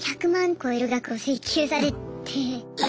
超える額を請求されて。